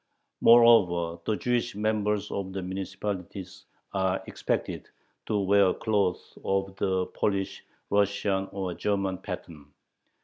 Moreover, the Jewish members of the municipalities are expected to wear clothes of the Polish, Russian, or German pattern.